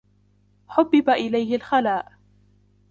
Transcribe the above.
حُبِّبَ إِلَيْهِ الْخَلاَءُ.